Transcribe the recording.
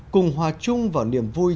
cùng hòa chung vào niềm vui